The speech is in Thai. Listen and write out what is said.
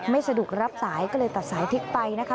ไม่สะดวกรับสายก็เลยตัดสายพลิกไปนะคะ